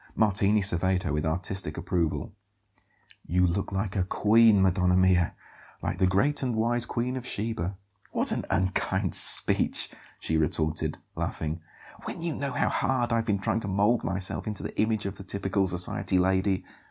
Martini surveyed her with artistic approval. "You look like a queen, Madonna mia; like the great and wise Queen of Sheba." "What an unkind speech!" she retorted, laughing; "when you know how hard I've been trying to mould myself into the image of the typical society lady!